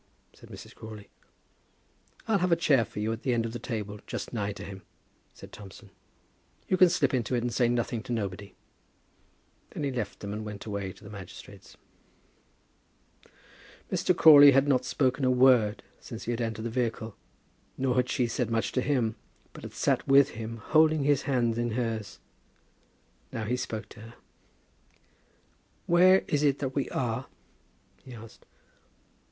said Mrs. Crawley. "I'll have a chair for you at the end of the table, just nigh to him," said Thompson. "You can slip into it and say nothing to nobody." Then he left them and went away to the magistrates. Mr. Crawley had not spoken a word since he had entered the vehicle. Nor had she said much to him, but had sat with him holding his hand in hers. Now he spoke to her, "Where is it that we are?" he asked.